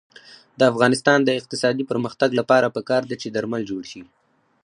د افغانستان د اقتصادي پرمختګ لپاره پکار ده چې درمل جوړ شي.